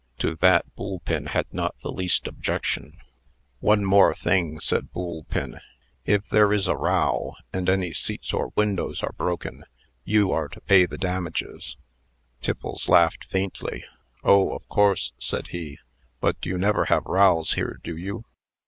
To that, Boolpin had not the least objection. "One thing more," said Boolpin. "If there is a row, and any seats or windows are broken, you are to pay the damages." Tiffles laughed faintly. "Oh! of course," said he. "But you never have rows here, do you?"